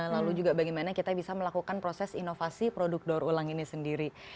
lalu juga bagaimana kita bisa melakukan proses inovasi produk daur ulang ini sendiri